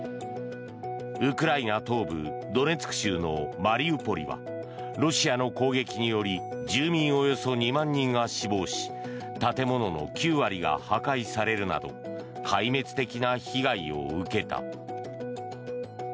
ウクライナの東部ドネツク州のマリウポリはロシアの攻撃により住民およそ２万人が死亡し建物の９割が破壊されるなど壊滅的な被害を受けた。